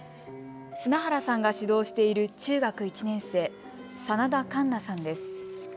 砂原さんが指導している中学１年生、眞田栞奈さんです。